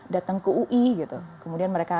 datang ke ui gitu kemudian mereka